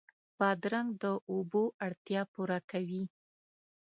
بادرنګ د اوبو اړتیا پوره کوي.